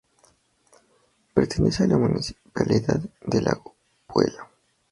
Pertenece a la municipalidad de Lago Puelo.